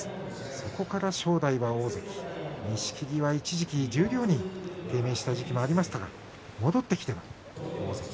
そこから正代は大関錦木は一時期、十両に低迷した時期もありました。